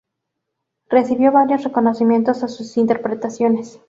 Recibió varios reconocimientos a sus interpretaciones.